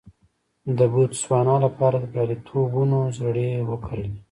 د بوتسوانا لپاره د بریالیتوبونو زړي وکرل.